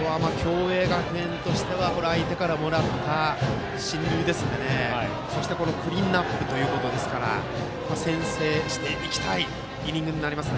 ここは共栄学園としては相手からもらった進塁ですしそしてクリーンナップということですから先制していきたいイニングになります。